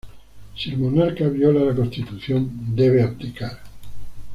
Si el monarca viola la constitución, debe abdicar.